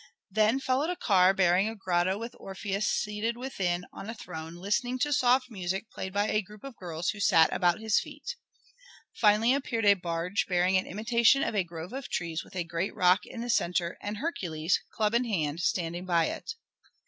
Then followed a car bearing a grotto with Orpheus seated within on a throne, listening to soft music played by a group of girls who sat about his feet. Finally appeared a barge bearing an imitation of a grove of trees with a great rock in the centre and Hercules, club in hand, standing by it.